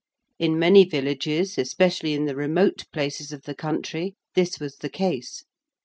In many villages, especially in the remote places of the country, this was the case.